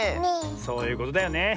そういうことだよね。